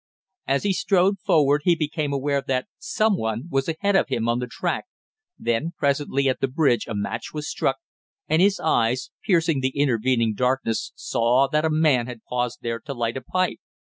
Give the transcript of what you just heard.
As he strode forward he became aware that some one was ahead of him on the track, then presently at the bridge a match was struck, and his eyes, piercing the intervening darkness, saw that a man had paused there to light a pipe.